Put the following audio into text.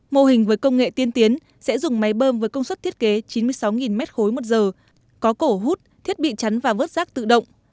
mô hình với công nghệ tiên tiến sẽ dùng máy bơm với công suất thiết kế chín mươi sáu m ba một giờ có cổ hút thiết bị chắn và vớt rác tự động